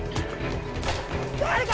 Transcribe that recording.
誰か！